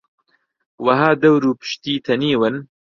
وەها دەور و پشتی تەنیون